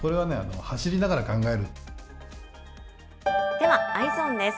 ではＥｙｅｓｏｎです。